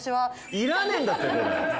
いらねえんだって！